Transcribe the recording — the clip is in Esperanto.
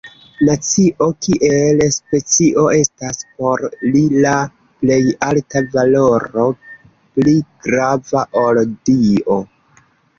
Nacio kiel specio estas por li la plej alta valoro, pli grava ol Dio.